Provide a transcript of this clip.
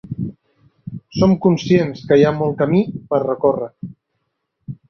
Som conscients que hi ha molt camí per recórrer.